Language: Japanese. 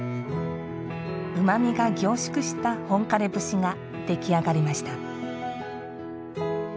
うまみが凝縮した本枯節が出来上がりました。